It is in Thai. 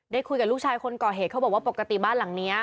คุยกับลูกชายคนก่อเหตุเขาบอกว่าปกติบ้านหลังนี้